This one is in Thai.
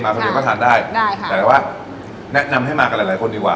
คนเดียวก็ทานได้ได้ค่ะแต่ว่าแนะนำให้มากับหลายคนดีกว่า